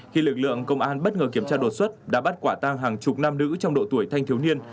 khi lực lượng công an bất ngờ kiểm tra đột xuất đã bắt quả tang hàng chục nam nữ trong độ tuổi thanh thiếu niên